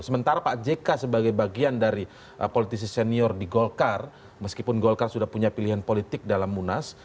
sementara pak jk sebagai bagian dari politisi senior di golkar meskipun golkar sudah punya pilihan politik dalam munas